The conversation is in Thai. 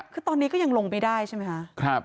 คือตอนนี้ก็ยังลงไม่ได้ใช่ไหมฮะครับ